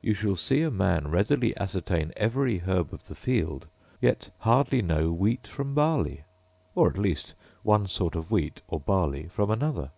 You shall see a man readily ascertain every herb of the field, yet hardly know wheat from barley, or at least one sort of wheat or barley from another.